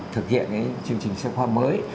thực hiện cái chương trình sách học khoa mới